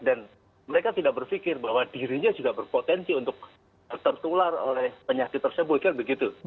dan mereka tidak berpikir bahwa dirinya juga berpotensi untuk tertular oleh penyakit tersebut